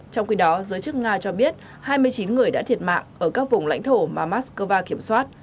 trong khi đó giới chức nga cho biết hai mươi chín người đã thiệt mạng ở các vùng lãnh thổ mà moscow kiểm soát